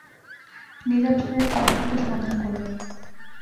নিজাম সাহেব অসাধ্য সাধন করলেন।